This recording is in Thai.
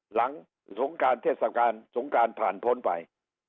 หลังสงการเทศกาลสงการผ่านพ้นไป